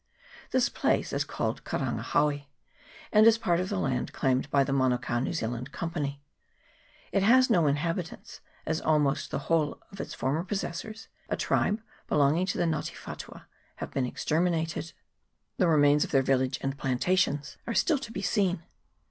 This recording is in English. This place is called Karanga hawe, and is part of the land claimed by the Manukao New Zealand Company : it has now no inhabitants, as almost the whole of its former possessors a tribe, belonging to the Nga te whatua have been exterminated : the remains of their village and plantations are still to be seen.